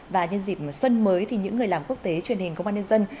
và nhân dịp xuân mới thì những người làm quốc tế truyền hình công an nhân dân